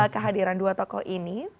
kehadiran dua tokoh ini